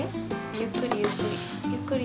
ゆっくりゆっくり。